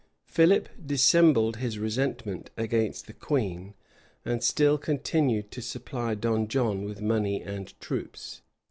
Philip dissembled his resentment against the queen, and still continued to supply Don John with money and troops.